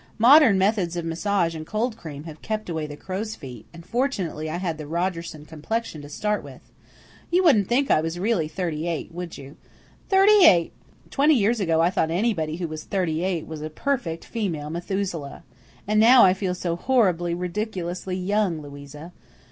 "Modern methods of massage and cold cream have kept away the crowsfeet, and fortunately I had the Rogerson complexion to start with. You wouldn't think I was really thirty eight, would you? Thirty eight! Twenty years ago I thought anybody who was thirty eight was a perfect female Methuselah. And now I feel so horribly, ridiculously young, Louisa.